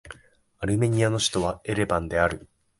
アルメニアの首都はエレバンである